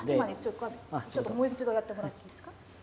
今ちょっと、もう一度やってもらってもいいですか？